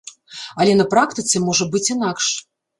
Але на практыцы можа быць інакш.